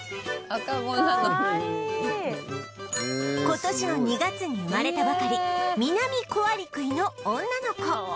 今年の２月に生まれたばかりミナミコアリクイの女の子